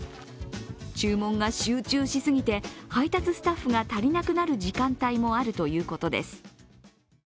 注文が集中しすぎて、配達スタッフが足りなくなる時間帯もあるということです。